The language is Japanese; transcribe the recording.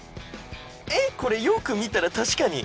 えっこれよく見たら確かに。